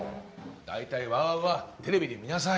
大体ＷＯＷＯＷはテレビで見なさい。